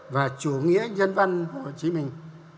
và chủ nghĩa nhân văn hồ chí minh